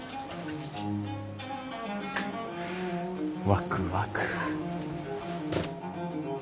わくわく。